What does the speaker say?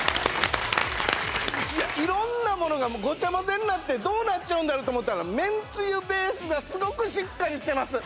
いや色んなものがごちゃ混ぜになってどうなっちゃうんだろうと思ったらめんつゆベースがすごくしっかりしてます。